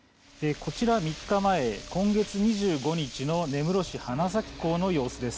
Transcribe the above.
こちら３日前、今月２５日の根室市・花咲港の様子です。